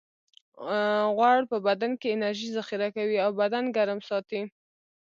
غوړ په بدن کې انرژي ذخیره کوي او بدن ګرم ساتي